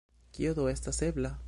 Kio do estas ebla?